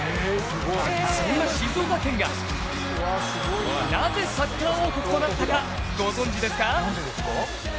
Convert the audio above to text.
そんな静岡県が、なぜサッカー王国となったかご存じですか？